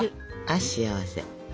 あ幸せ。